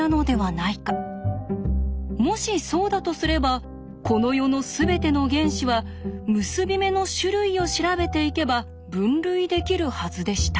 もしそうだとすればこの世の全ての原子は結び目の種類を調べていけば分類できるはずでした。